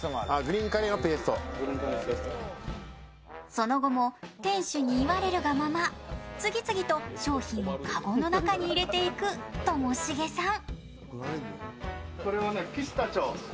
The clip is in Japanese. その後も店主に言われるがまま次々と商品を籠の中に入れていくともしげさん。